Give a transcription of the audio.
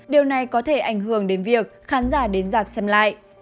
điều này có thể ảnh hưởng đến việc khán giả đến dạp xem lại